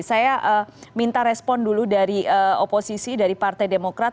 saya minta respon dulu dari oposisi dari partai demokrat